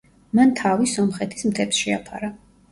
მან თავი სომხეთის მთებს შეაფარა.